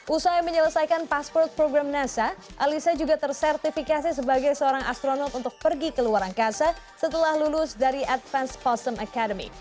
usai menyelesaikan pasport program nasa alisa juga tersertifikasi sebagai seorang astronot untuk pergi ke luar angkasa setelah lulus dari advance possem academy